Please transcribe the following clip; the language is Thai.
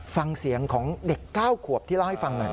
ฟังเสียงของเด็ก๙ขวบที่เล่าให้ฟังหน่อย